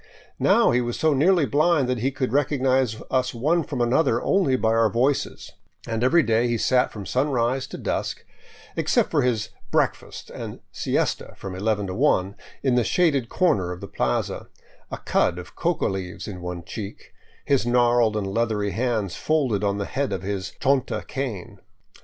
Now he was so nearly blind that he could recognize us one from another only by our voices; and every day he sat from sunrise to dusk, except for his " breakfast " and siesta from eleven to one, in the shaded comer of the plaza, a cud of coca leaves in one cheek, his gnarled and leathery hands folded on the head of his chonta cane.